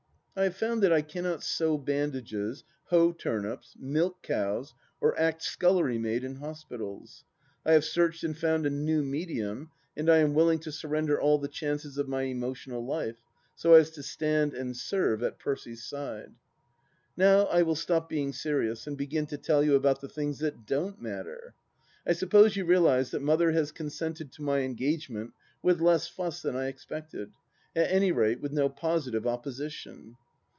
... I have found that I cannot sew bandages, hoe turnips, milk cows, or act scullerjrmaid in hospitals. I have searched and found a new medium, and I am willing to surrender all the chances of my emotional life, so as to stand and serve at Percy's side. Now I will stop being serious and begin to tell you about the things that donH matter. I suppose you realize that Mother has consented to my engagement with less fuss than I expected, at any rate with no positive opposi tion.